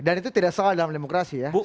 dan itu tidak salah dalam demokrasi ya